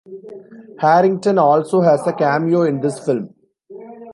Harrington also has a cameo in this film.